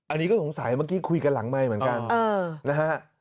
อันนี้ก็สงสัยเมื่อกี้คุยกันหลังไมค์เหมือนกันนะฮะ